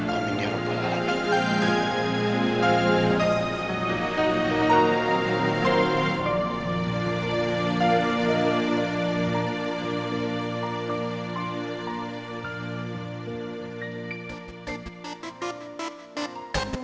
amin ya rabbal alamin